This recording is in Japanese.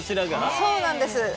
そうなんです。